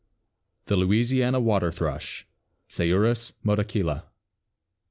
] THE LOUISIANA WATER THRUSH. (_Seiurus motacilla.